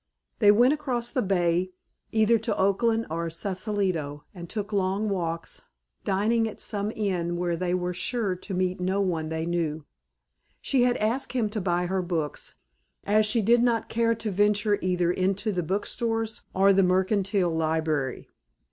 They went across the Bay, either to Oakland or Sausalito, and took long walks, dining at some inn where they were sure to meet no one they knew. She had asked him to buy her books, as she did not care to venture either into the bookstores or the Mercantile Library.